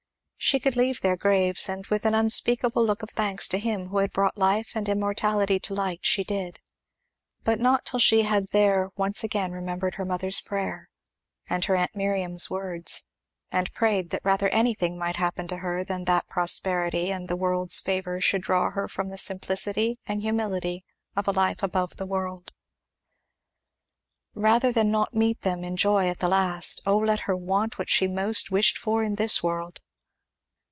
She could leave their graves; and with an unspeakable look of thanks to Him who had brought life and immortality to light, she did; but not till she had there once again remembered her mother's prayer, and her aunt Miriam's words, and prayed that rather anything might happen to her than that prosperity and the world's favour should draw her from the simplicity and humility of a life above the world. Rather than not meet them in joy at the last, oh let her want what she most wished for in this world.